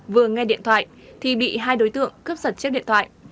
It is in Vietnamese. vừa nghe điện thoại thì bị hai đối tượng cướp giật chiếc điện thoại